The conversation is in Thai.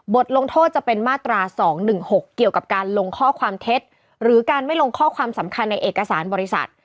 ลงโทษจะเป็นมาตรา๒๑๖เกี่ยวกับการลงข้อความเท็จหรือการไม่ลงข้อความสำคัญในเอกสารบริษัท